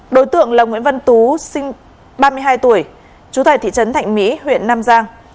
đối tượng là nguyễn văn tú sinh ba mươi hai tuổi trú tại thị trấn thạnh mỹ huyện nam giang